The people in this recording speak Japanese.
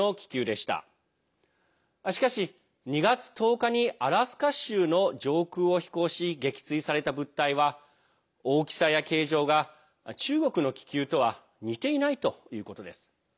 しかし、２月１０日にアラスカ州の上空を飛行し撃墜された物体は大きさや形状が中国の気球とは似ていないということです。